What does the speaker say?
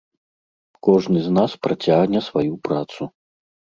Кожны з нас працягне сваю працу.